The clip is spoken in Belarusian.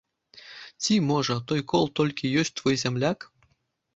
Ці, можа, той кол толькі ёсць твой зямляк?